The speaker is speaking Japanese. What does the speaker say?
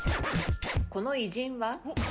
この偉人は？